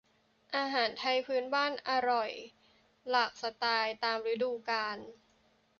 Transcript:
อาหารไทยพื้นบ้านอร่อยหลากสไตล์ตามฤดูกาล